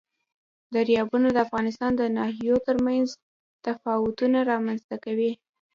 دریابونه د افغانستان د ناحیو ترمنځ تفاوتونه رامنځ ته کوي.